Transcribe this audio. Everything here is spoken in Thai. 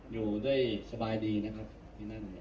อยู่ด้วยสบายดีนะครับที่นั่นเนี่ย